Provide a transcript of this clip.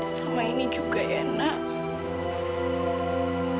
sama ini juga ya nak